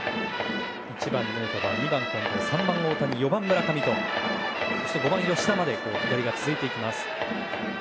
１番ヌートバー２番は近藤、３番に大谷４番の村上そして５番、吉田まで左が続いていきます。